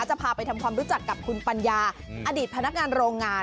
จะพาไปทำความรู้จักกับคุณปัญญาอดีตพนักงานโรงงาน